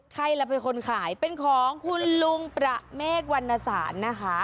ใครล่ะเป็นคนขายเป็นของคุณลุงประเมฆวรรณสารนะคะ